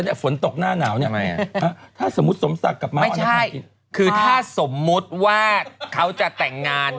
เอาอีกแล้วศมศักดิ์ชาลาชนเหรอ